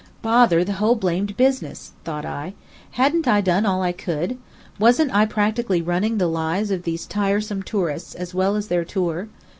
Bother the whole blamed business! thought I. Hadn't I done all I could? Wasn't I practically running the lives of these tiresome tourists, as well as their tour?